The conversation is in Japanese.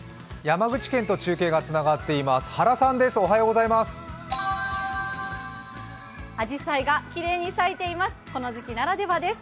山口県と中継がつながっています、原さんです。